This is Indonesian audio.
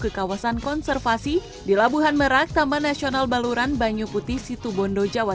ke kawasan konservasi di labuhan merak taman nasional baluran banyu putih situbondo jawa